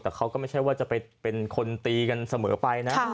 แต่เขาก็ไม่ใช่ว่าจะไปเป็นคนตีกันเสมอไปนะ